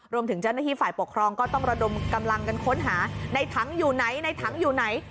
รวมถึงเจ้าหน้าที่ฝ่ายปกครองก็ต้องระดมกำลังกันค้นหาในถังอยู่ไหนในถังอยู่ไหน